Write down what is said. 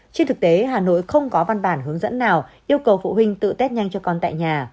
trên thực tế hà nội không có văn bản hướng dẫn nào yêu cầu phụ huynh tự test nhanh cho con tại nhà